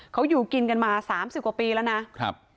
เขาอยู่กินกันมา๓๐กว่าปีแล้วนะครับ